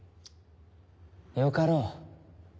よかろう。